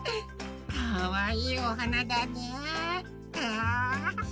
かわいいおはなだね。